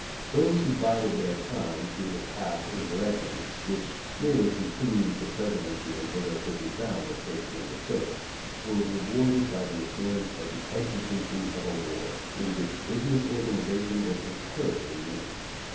Those who bided their time through the Taft interregnum, which merely continued the Presidency until there could be found a statesman to fill it, were rewarded by the appearance of the exigency of a war, in which business organization was imperatively needed.